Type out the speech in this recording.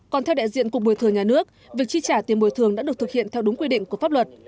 còn theo đại diện cục bồi thường nhà nước việc chi trả tiền bồi thường đã được thực hiện theo đúng quy định của pháp luật